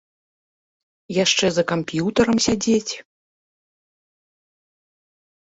Яшчэ за камп'ютарам сядзець.